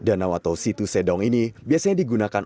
danau atau situ sedong ini biasanya digunakan